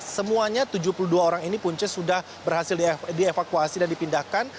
semuanya tujuh puluh dua orang ini punca sudah berhasil dievakuasi dan dipindahkan